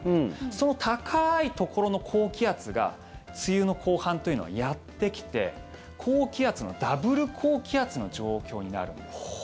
その高いところの高気圧が梅雨の後半というのはやってきて高気圧のダブル高気圧の状況になるんです。